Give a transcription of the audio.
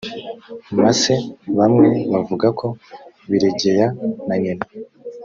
masse bamwe bavuga ko biregeya na nyina